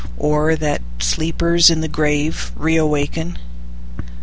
—Or that sleepers in the graveReawaken?